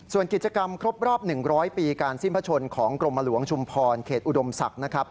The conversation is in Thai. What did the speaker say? ส่วนกิจกรรมครบรอบ๑๐๐ปีการสิ้นพระชนของกรมหลวงชุมพรเขตอุดมศักดิ์นะครับ